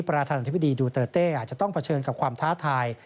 ประธานาธิบดีดูเตอร์เต้อาจจะต้องเผชิญกับความท้าทาย